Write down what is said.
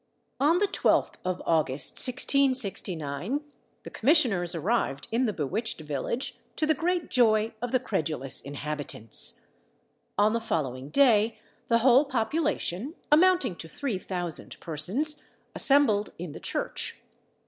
On the 12th of August 1669, the commissioners arrived in the bewitched village, to the great joy of the credulous inhabitants. On the following day the whole population, amounting to three thousand persons, assembled in the church.